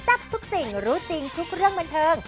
ทับทุกสิ่งรู้จริงทุกเรื่องบันเทิง